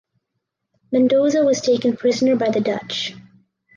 Mendoza was taken prisoner by the Dutch.